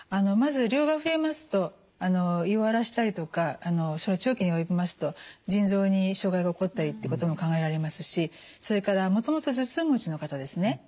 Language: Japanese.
まず量が増えますと胃を荒らしたりとか長期に及びますと腎臓に障害が起こったりってことも考えられますしそれからもともと頭痛持ちの方ですね